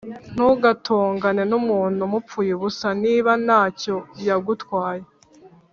ntugatongane n’umuntu mupfuye ubusa, niba nta cyo yagutwaye